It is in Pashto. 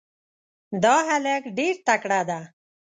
دا هلک ډېر تکړه ده.